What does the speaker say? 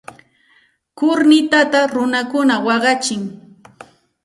Kurnitata runakuna waqachin.